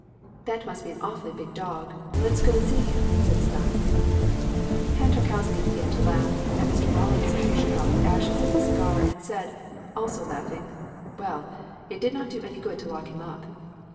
"That must be an awfully big dog. Let us go and see him," said Stas. Pan Tarkowski began to laugh and Mr. Rawlinson shook off the ashes of his cigar and said, also laughing: "Well, it did not do any good to lock him up."